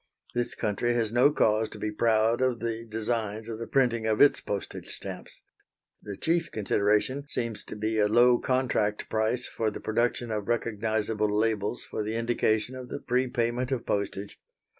This country has no cause to be proud of the designs or the printing of its postage stamps. The chief consideration seems to be a low contract price for the production of recognisable labels for the indication of the prepayment of postage.